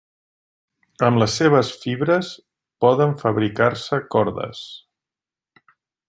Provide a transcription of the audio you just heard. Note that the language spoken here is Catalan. Amb les seves fibres poden fabricar-se cordes.